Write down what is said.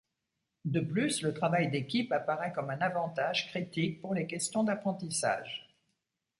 De plus, le travail d’équipe apparait comme un avantage critique pour les questions d’apprentissage.